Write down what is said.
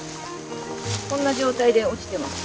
こんな状態で落ちてます。